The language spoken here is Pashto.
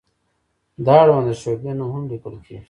د اړونده شعبې نوم هم لیکل کیږي.